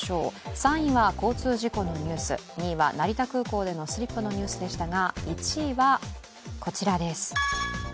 ３位は交通事故のニュース、２位は成田空港でのスリップのニュースでしたが、１位はこちらです。